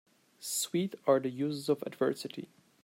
Sweet are the uses of adversity